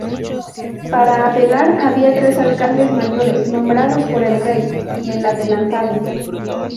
Para apelar había tres alcaldes mayores, nombrados por el rey, y el adelantado.